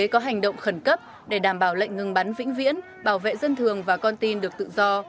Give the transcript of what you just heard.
có hành động khẩn cấp để đảm bảo lệnh ngừng bắn vĩnh viễn bảo vệ dân thường và con tin được tự do